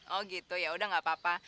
oh gitu ya sudah tidak apa apa